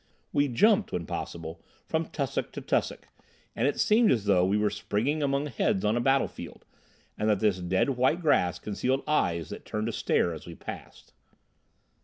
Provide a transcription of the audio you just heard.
We jumped, when possible, from tussock to tussock, and it seemed as though we were springing among heads on a battlefield, and that this dead white grass concealed eyes that turned to stare as we passed.